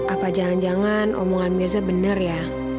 apa jangan jangan omongan mirza benar ya